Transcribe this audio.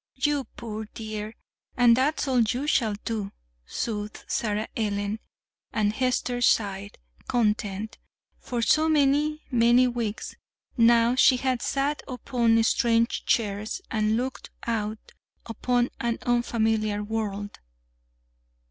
"You poor dear and that's all you shall do!" soothed Sarah Ellen; and Hester sighed, content. For so many, many weeks now she had sat upon strange chairs and looked out upon an unfamiliar world!